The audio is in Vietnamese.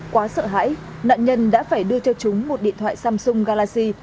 quá sợ hãi nạn nhân đã phải đưa cho chúng một điện thoại samsung galaxy